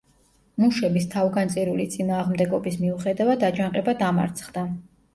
მუშების თავგანწირული წინააღმდეგობის მიუხედავად, აჯანყება დამარცხდა.